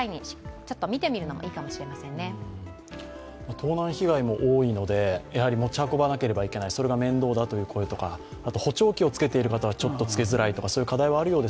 盗難被害も多いので、持ち運ばなければいけない、それが面倒だという声とか、補聴器を着けている方はちょっとつけづらい方もいるかもしれません。